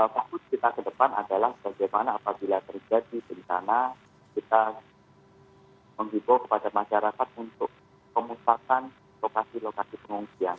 fokus kita ke depan adalah bagaimana apabila terjadi bencana kita menghibur kepada masyarakat untuk memusakan lokasi lokasi pengungsian